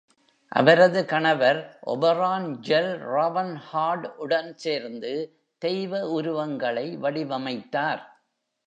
அவரது கணவர் ஓபரான் ஜெல்-ராவன்ஹார்ட் உடன் சேர்ந்து தெய்வ உருவங்களை வடிவமைத்தார்.